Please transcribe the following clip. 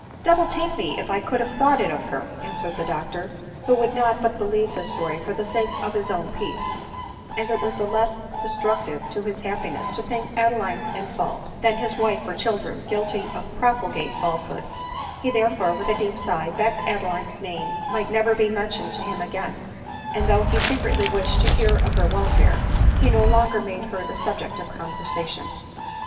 <c Devil take me if I could have thought it of her !" answered the doctor — who could not but believe this story for the sake of his own peace, as it was less destruc tive to his happiness to think Adeline in fault, than his wife or children guilty of profligate falsehood ; he therefore, with a deep sigh, begged Adeline's name might never be mentioned to him again ; and though he se cretly wished to hear of her welfare, he no longer made her the subject of conversation.